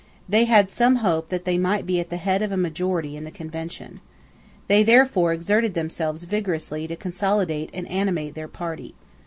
They had some hope that they might be at the head of a majority in the Convention. They therefore exerted themselves vigorously to consolidate and animate their party.